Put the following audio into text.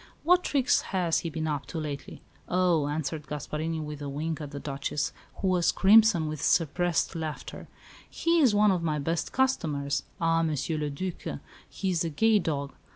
"What tricks has he been up to lately?" "Oh," answered Gasparini, with a wink at the Duchess, who was crimson with suppressed laughter, "he is one of my best customers. Ah, Monsieur le Duc, he is a gay dog.